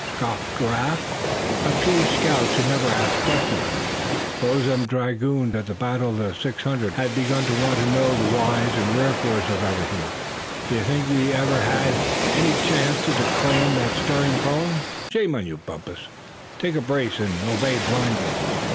scoffed Giraffe. "A true scout should never ask questions. S'pose them dragoons at the battle of the Six Hundred had begun to want to know the whys and wherefores of everything, d'ye think we'd ever had any chance to declaim that stirring poem? Shame on you, Bumpus, take a brace, and obey blindly."